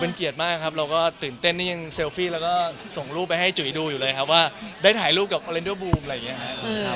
เป็นเกียรติมากครับเราก็ตื่นเต้นที่ยังเซลฟี่แล้วก็ส่งรูปไปให้จุ๋ยดูอยู่เลยครับว่าได้ถ่ายรูปกับออเลนเดอร์บูมอะไรอย่างนี้ครับ